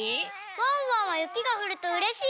ワンワンはゆきがふるとうれしい？